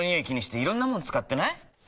気にしていろんなもの使ってない？